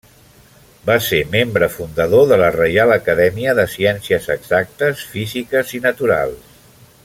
Va ser membre fundador de la Reial Acadèmia de Ciències Exactes, Físiques i Naturals.